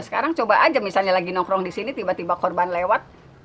sekarang coba aja misalnya lagi nongkrong di sini tiba tiba korban lewat